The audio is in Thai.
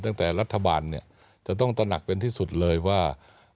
ตั้งแต่รัฐบาลเนี่ยจะต้องตระหนักเป็นที่สุดเลยว่า